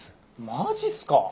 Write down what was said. マジすか。